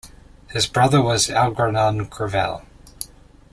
His brother was Algernon Greville.